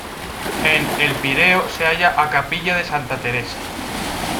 En El Pireo se halla a capilla de Santa Teresa.